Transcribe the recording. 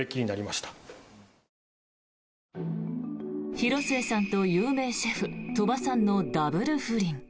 広末さんと有名シェフ、鳥羽さんのダブル不倫。